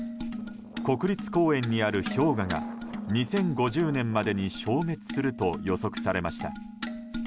国立公園にある氷河が２０５０年までに消滅すると予測されました。